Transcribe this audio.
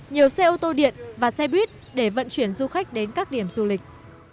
nhiều xe ô tô điện và xe buýt để vận chuyển du khách đến các điểm du lịch